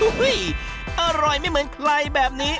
อร่อยไม่เหมือนใครแบบนี้